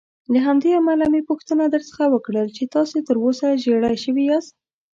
له همدې امله مې پوښتنه درڅخه وکړل چې تاسې تراوسه ژېړی شوي یاست.